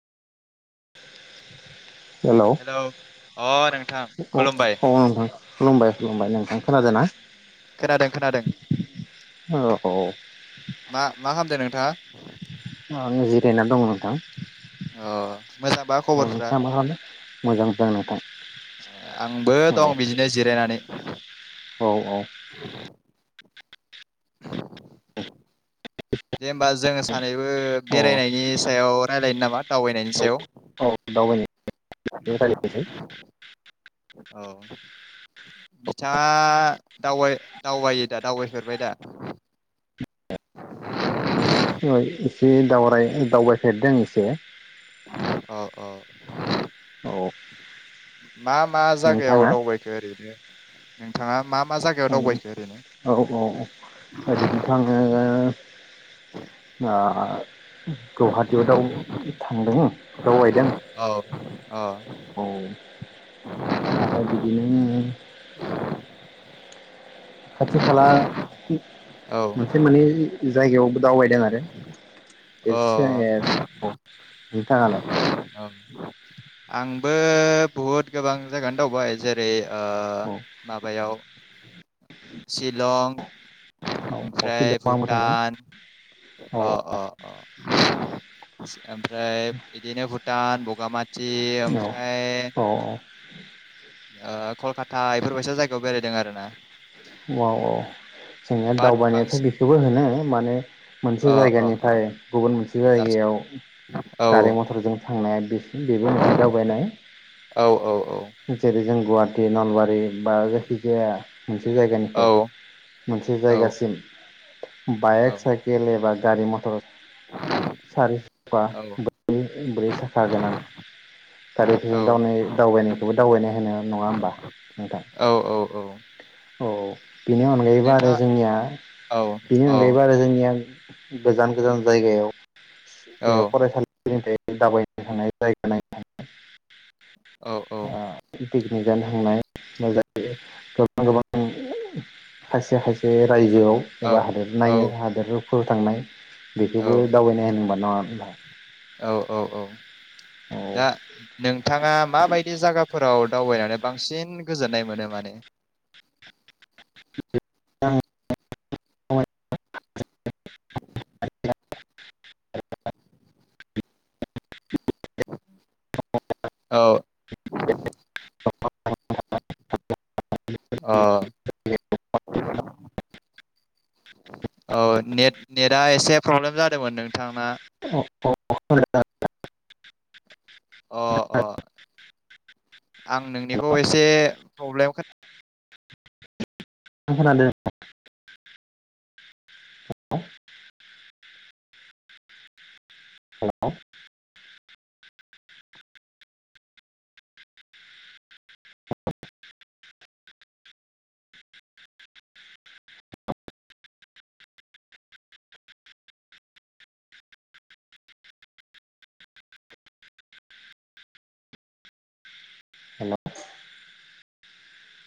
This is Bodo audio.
[inaudible] हेल' औ हेलौ अ नोंथां खुलुमबाय नोंथां खुलुमबाय खुलुमबाय नोंथां खोनादों ना खोनादों खोनादों ओ औ मा मा खालामदों नोंथाङा आं जिरायना दंङ नोंथां। अह मोजांबा खबरफ्रा मोजांसो नोंथां। आंबो औ दं बिदिनो जिरायनानै। औ औ दे होमबा जोङो सानै बो औ बेरायनायनि सायाव रायलायनो नामा दावबायनायनि औ सायाव। औ [unintelligible] औ बिथाङा दावबाय दावबायोदा दावबायफेरबाय दा? एसे दावराय दावबायफेरदों एसे। अह अह। औ मा मा जागायाव नोंथाङा दावबायखो ओरैनो? नोंथाङा। मा मा जायगायाव आं दावबायखो ओरैनो औ औ ओरैनोथ आङो ओ गहाटियाव दाउ थांदों। दावबायदों औ अ औ आरो बिदिनो [inaudible] खाथि खाला औ मोनसे मोननै जायगायावबो दावबायदों आरो अ खेबसे सिगांओ औ नोंथाङालाय? औ आंबो बुहुत गोबां जायगानो दावबाय जेरै ओ औ माबायाव सिलं औ औ ओमफ्राय शिलंआव आंबो थांदों भुटान औ अह अह अह। [inaudible] ओमफ्राय बिदिनो भुटान बगामाथि ओमफ्राय [inaudible] आ कलकाता एफोरबायसा जायगायाव बेरायदों आरोना। औ औ जोंया बाट दावबायनायाथ बांसिन बेखौबो होनो माने मोनसे अ अ जायगानिफ्राय गुबुन मोनसे दाबसे जायगायाव औ गारि मथरजों थांनाय बे बेबो मोनसे दावबायनाय औ औ औ जेरै जों गुवाहाटि नलबारि। बा जिखिजाया मोनसे औ जायगानिफ्राय मोनसे औ जायगासिम बायेक साइकेल ए बा गारि मटर सारि सका ब्रै ब्रैसाखा गोनां गारिफोरजों दावनाय दावबायनायखौबो दावबायनाय होनो नङा होमबा नोंथां। औ औ औ औ। बेनि अनगायैबो आरो नोंथाङा जोंनिया औ बेनि औ अनगायैबो आरो जोंनिया गोजान गोजान जायगायाव औ बेयाव फरायसालि बेबादिनो दावबायनो थांनाय जायगा नायनो थांनाय। औ औ अ पिकिनिक जानो थांनाय [unintelligible] गोबां खायसे खायसे रायजोआव औ एबा हादोर नायनो हादोराव फोराव थांनाय बेखौबो दावबायनाय होनो नङा होमबा? औ औ औ दा नोंथाङा माबायदि जागाफोराव दाव दावबायनानै बांसिन गोजोननाय मोनो माने? [unintelligible] [inaudible] [inaudible] औ [inaudible] [unintelligible] अ औ नेत नेता एसे प्रब्लेम जादोंमोन नोंथांना। अ [unintelligible] अ अ आं नोंनिखौ एसे प्रब्लेम खोना खोनादों हेलौ हेलौ [unintelligible]